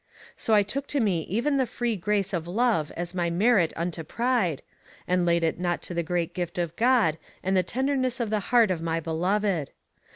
So I took to me even the free grace of love as my merit unto pride, and laid it not to the great gift of God and the tenderness of the heart of my beloved.